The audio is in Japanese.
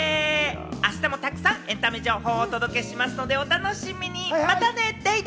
明日も沢山エンタメ情報をお届けしますので、お楽しみにまたね！